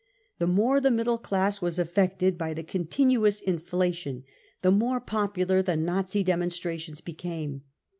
The more the middle •class was affected by the continuous inflation, the more popular the Nazi demonstrations became.